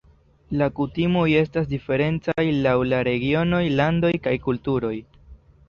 La kutimoj estas diferencaj laŭ la regionoj, landoj kaj kulturoj.